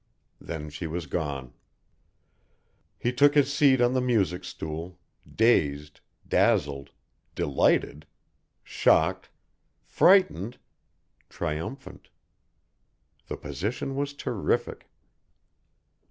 Then she was gone. He took his seat on the music stool, dazed, dazzled, delighted, shocked, frightened, triumphant. The position was terrific.